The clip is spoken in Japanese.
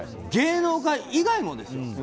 芸能界以外もですよ。